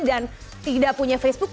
dan tidak punya facebook